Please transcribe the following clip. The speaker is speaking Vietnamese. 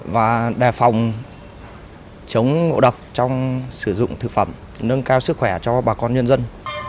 và đề phòng chống ngộ độc trong sử dụng thực phẩm nâng cao sức khỏe cho bà con nhân dân